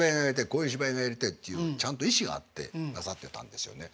「こういう芝居がやりたい」っていうちゃんと意志があってなさってたんですよね。